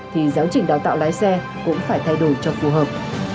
thì giáo trình đào tạo lái xe cũng phải thay đổi cho phù hợp